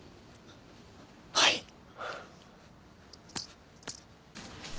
はい。